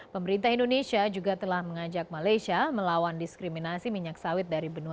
pemerintah indonesia juga telah mengajak malaysia melawan diskriminasi minyak sawit dari benua